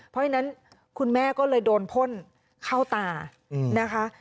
เพราะฉะนั้นคุณแม่ก็เลยโดนพ่นเข้าตานะคะ